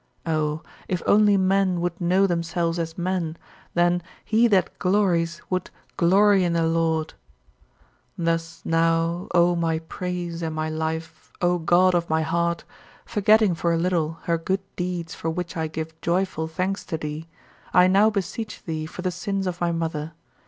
Oh, if only men would know themselves as men, then "he that glories" would "glory in the Lord"! 35. Thus now, O my Praise and my Life, O God of my heart, forgetting for a little her good deeds for which I give joyful thanks to thee, I now beseech thee for the sins of my mother.